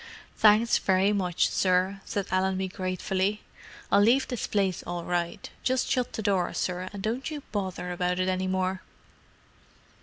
"Thanks very much, sir," said Allenby gratefully, "I'll leave this place all right—just shut the door, sir, and don't you bother about it any more."